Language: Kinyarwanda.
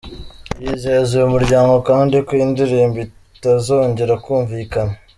Yizeza uyu muryango kandi ko iyi ndirimbo itazongera kumvikana.